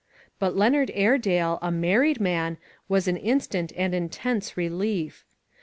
But Leonard Aire dale a married man was an instant and in tense relief.